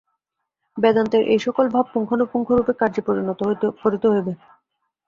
বেদান্তের এই-সকল ভাব পুঙ্খানুপুঙ্খরূপে কার্যে পরিণত করিতে হইবে।